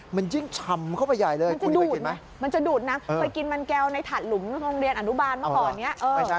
มันยิ่งฉ่ำเข้าไปใหญ่เลยมันจะดูดน้ำไปกินมันแก้วในถาดหลุมโรงเรียนอนุบาลเมื่อก่อนเนี่ย